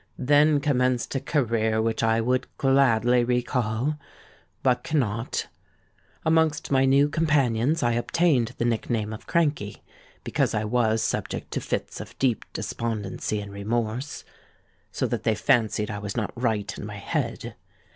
Then commenced a career which I would gladly recall—but cannot! Amongst my new companions I obtained the nickname of 'Crankey,' because I was subject to fits of deep despondency and remorse, so that they fancied I was not right in my head.